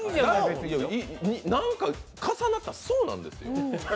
何か重なったら層なんですよ。